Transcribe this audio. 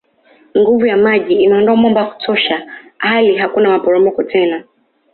Nguvu ya maji imeondoa mwamba wa kutosha hali hakuna maporomoko tena